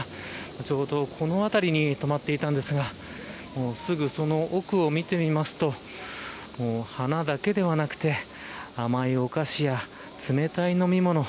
ちょうどこの辺りに止まっていたんですがすぐその奥を見てみますと花だけではなくて甘いお菓子や冷たい飲み物